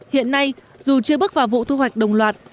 hiện nay dù chưa bước vào vụ thu hoạch đồng loạt